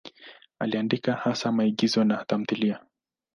Aliandika hasa maigizo na tamthiliya.